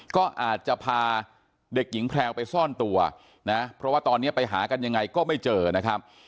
ก็อาจจะพาเด็กหญิงแพรวไปซ่อนตัวนะเพราะว่าตอนนี้ไปหากันยังไงก็ไม่เจอนะครับ